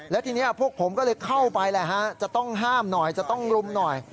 แล้วทีนี้พวกผมก็เลยเข้าไปแหละฮะจะต้องห้ามหน่อยจะต้องรุมหน่อย